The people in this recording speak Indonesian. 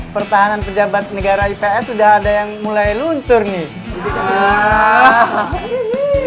pertahanan pejabat negara ips sudah ada yang mulai luntur nih